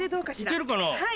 行けるかな？